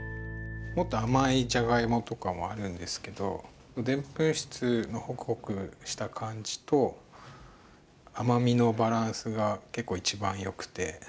もっと甘いジャガイモとかもあるんですけどデンプン質のホクホクした感じと甘みのバランスが結構一番よくて。